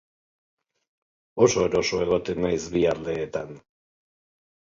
Oso eroso egoten naiz bi aldeetan.